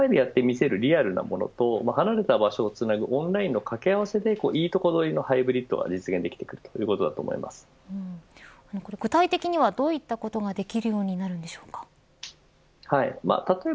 つまり、目の前でやって見せるリアルなものと離れた場所をつなぐオンラインの掛け合わせでいいとこどりのハイブリッドが実現できるということだとこれ、具体的にはどういったことができるようになるでしょうか。